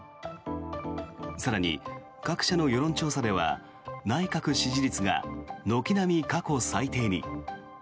更に、各社の世論調査では内閣支持率が軒並み過去最低に。